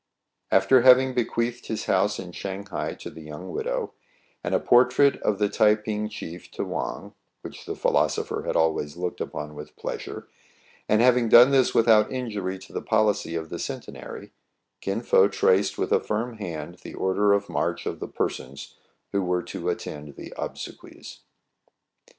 After having bequeathed his house in Shang hai to the young widow, and a portrait of the Tai ping chief to Wang, which the philosopher had always looked upon with pleasure, and having done this without injury to the policy of the Centenary, Kin Fo traced with a firm hand the order of march of the persons who were to attend the obsequies.